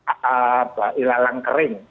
katanya ada ilalang kering